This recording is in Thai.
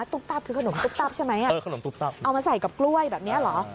ตุ๊บตับคือขนมตุ๊บตับใช่ไหมเออขนมตุ๊บตับเอามาใส่กับกล้วยแบบนี้เหรอ